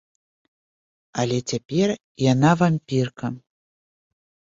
Але цяпер яна вампірка.